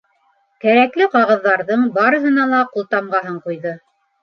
Кәрәкле ҡағыҙҙарҙың барыһына ла ҡултамғаһын ҡуйҙы.